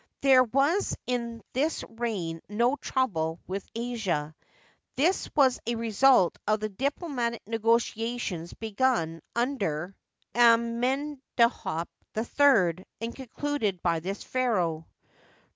There was in this reign no trouble with Asia. This was a result of the diplomatic negotiations begun under Amenhotep III, and concluded by this pharaoh.